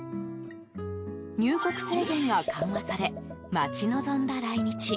入国制限が緩和され待ち望んだ来日。